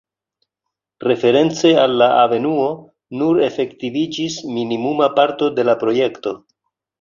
Reference al la avenuo, nur efektiviĝis minimuma parto de la projekto.